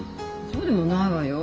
そうでもないわよ。